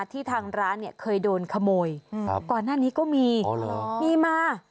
ที่ทางร้านเนี้ยเคยโดนขโมยครับก่อนหน้านี้ก็มีอ๋อเหรอมีมา